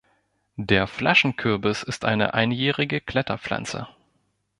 Der Flaschenkürbis ist eine einjährige Kletterpflanze.